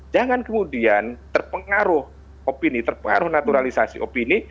jangan kemudian terpengaruh opini terpengaruh naturalisasi opini